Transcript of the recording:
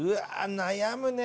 悩むね。